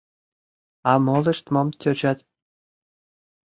А молышт мом тӧчат?